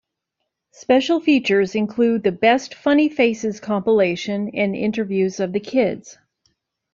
Special features include the "Best Funny Faces" compilation and interviews of the kids.